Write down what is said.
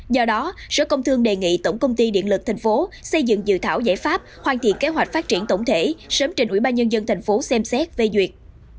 do đó sở công thương đề nghị tổng công ty điện lực thành phố xây dựng dự thảo giải pháp hoàn thiện kế hoạch phát triển tổng thể sớm trên ubnd tp xem xét về duyệt